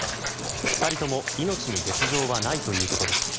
２人とも命に別条はないということです。